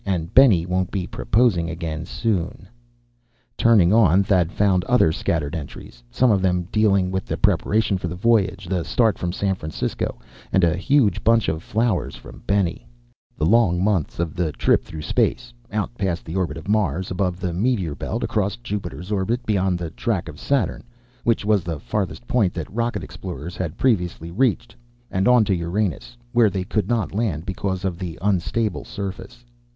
And Benny won't be proposing again soon!" Turning on, Thad found other scattered entries, some of them dealing with the preparation for the voyage, the start from San Francisco and a huge bunch of flowers from "Benny," the long months of the trip through space, out past the orbit of Mars, above the meteor belt, across Jupiter's orbit, beyond the track of Saturn, which was the farthest point that rocket explorers had previously reached, and on to Uranus, where they could not land because of the unstable surface.